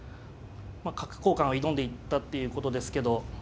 まあ角交換を挑んでいったっていうことですけど。